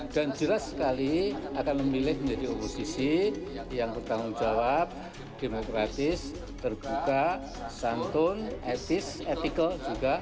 dan jelas sekali akan memilih menjadi oposisi yang bertanggung jawab demokratis terbuka santun etis etikal juga